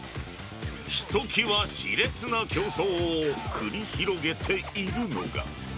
ひときわしれつな競争を繰り広げているのが。